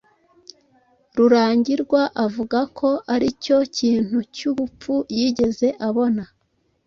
Rurangirwa avuga ko aricyo kintu cyubupfu yigeze abona.